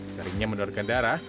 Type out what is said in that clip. seringnya mendonorkan darah